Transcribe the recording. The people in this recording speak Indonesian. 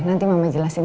nanti mama jelasin